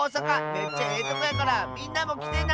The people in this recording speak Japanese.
めっちゃええとこやからみんなもきてな！